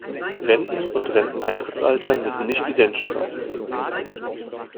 Renten- und Renteneintrittsalter müssen nicht identisch sein.